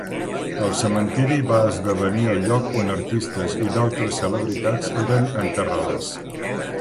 El cementiri va esdevenir el lloc on artistes i d'altres celebritats eren enterrades.